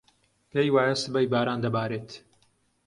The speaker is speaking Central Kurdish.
پێی وایە سبەی باران دەبارێت.